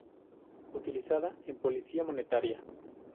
Utilizada en política monetaria.